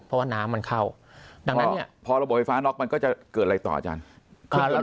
เพราะว่าน้ำมันเข้าพอระบบไฟฟ้าน็อกมันก็จะเกิดอะไรต่ออาจารย์